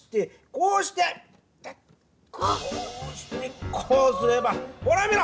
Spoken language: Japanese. こうしてこうすればほら見ろ！